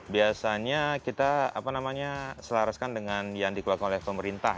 biasanya kita selaraskan dengan yang dikeluarkan oleh pemerintah